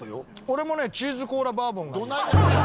俺もねチーズコーラバーボンがいい。